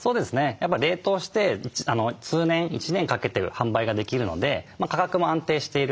やっぱり冷凍して通年１年かけて販売ができるので価格も安定している。